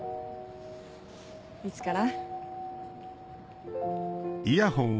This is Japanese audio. いつから？